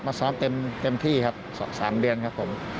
ซ้อมเต็มที่ครับ๓เดือนครับผม